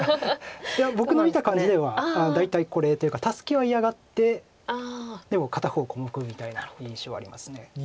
いや僕の見た感じでは大体これというかタスキは嫌がって片方小目みたいな印象はあります。